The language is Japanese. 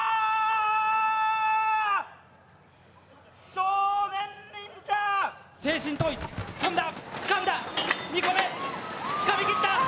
少年忍者精神統一、つかんだ、２個目、つかみきった。